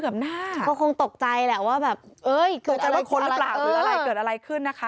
แบบหน้าก็คงตกใจแหละว่าแบบเอ้ยตกใจว่าคนหรือเปล่าหรืออะไรเกิดอะไรขึ้นนะคะ